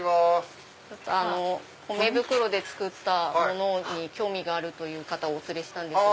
米袋で作ったものに興味がある方をお連れしたんです。